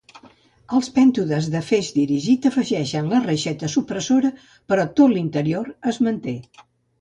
Els pèntodes de feix dirigit afegeixen la reixeta supressora, però tot l'anterior es manté.